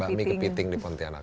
bakmi kepiting di pontianak